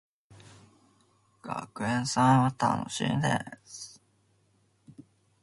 学園祭は楽しいです。